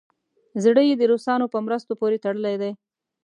زړه یې د روسانو په مرستو پورې تړلی دی.